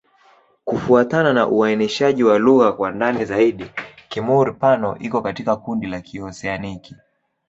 Kufuatana na uainishaji wa lugha kwa ndani zaidi, Kimur-Pano iko katika kundi la Kioseaniki.